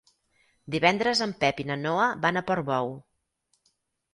Divendres en Pep i na Noa van a Portbou.